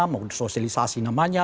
mau sosialisasi namanya